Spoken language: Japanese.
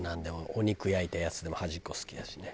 お肉焼いたやつでも端っこ好きだしね。